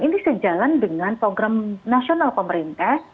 ini sejalan dengan program nasional pemerintah